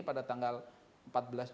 pada tanggal empat januari